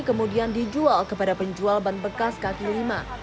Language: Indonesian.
kemudian dijual kepada penjual ban bekas kaki lima